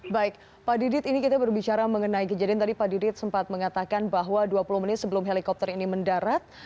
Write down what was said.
baik pak didit ini kita berbicara mengenai kejadian tadi pak didit sempat mengatakan bahwa dua puluh menit sebelum helikopter ini mendarat